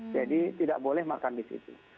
jadi tidak boleh makan di situ